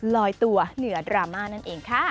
ลอยตัวเหนือดราม่านั่นเองค่ะ